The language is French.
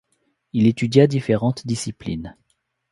Il étudia différentes disciplines.